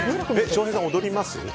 翔平さん、踊ります？